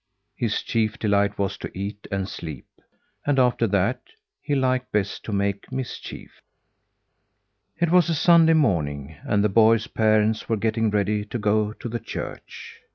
His chief delight was to eat and sleep; and after that he liked best to make mischief. It was a Sunday morning and the boy's parents were getting ready to go to church.